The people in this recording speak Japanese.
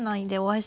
はい。